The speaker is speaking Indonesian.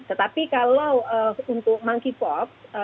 tetapi kalau untuk monkeypox